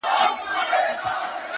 • کومه ورځ به وي چي هر غم ته مو شاسي,